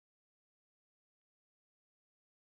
سل ډالر په درې سوه پنځوس شلو کېږي.